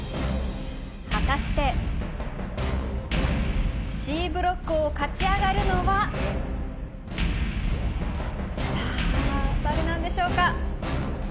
果たしてＣブロックを勝ち上がるのはさあ、誰なんでしょうか。